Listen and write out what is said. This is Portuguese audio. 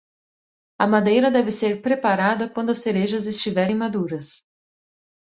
A madeira deve ser preparada quando as cerejas estiverem maduras.